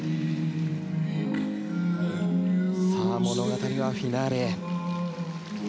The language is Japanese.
物語はフィナーレへ。